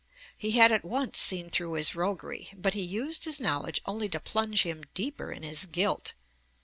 He had at once seen through his roguery, but he used his knowledge only to plunge him deeper in his guilt.